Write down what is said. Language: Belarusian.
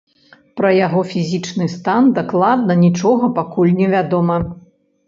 Пра яго фізічны стан дакладна нічога пакуль невядома.